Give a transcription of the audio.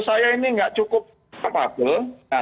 saya ini nggak cukup capable